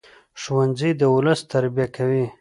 ښوونځی د ولس تربیه کوي